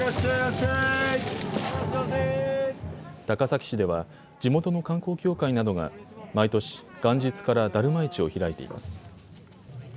高崎市では地元の観光協会などが毎年、元日からだるま市を開いています。